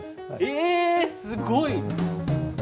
えすごい！